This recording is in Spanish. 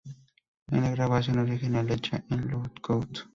En la grabación original hecha en Lookout!